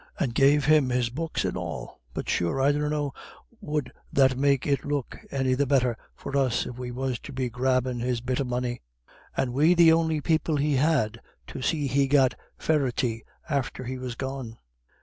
And gave him his books and all. But sure, I dunno would that make it look any the better for us if we was to be grabbin' his bit of money, and we the on'y people he had to see he got fairity after he was gone.